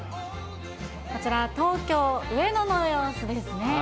こちら、東京・上野の様子ですね。